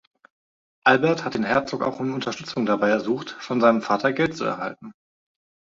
Albert hat den Herzog auch um Unterstützung dabei ersucht, von seinem Vater Geld zu erhalten.